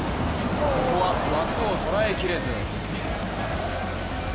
ここは枠を捉えきれず。